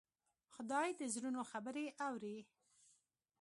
خدای د زړونو خبرې اوري.